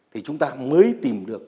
thì chúng ta mới tìm được